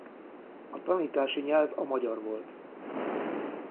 A tanítási nyelv a magyar volt.